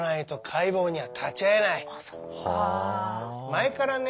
前からね